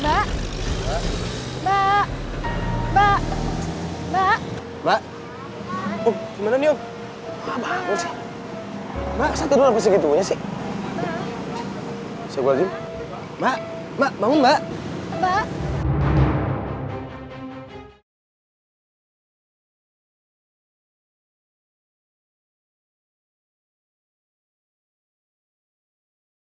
mbak mbak mbak mbak mbak mbak mbak mbak mbak mbak mbak mbak mbak mbak mbak mbak mbak mbak